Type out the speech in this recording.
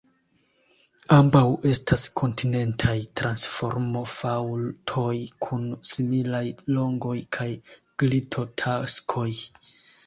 Ambaŭ estas kontinentaj transformofaŭltoj kun similaj longoj kaj glitotaksoj.